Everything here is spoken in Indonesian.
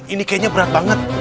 ini kayaknya berat banget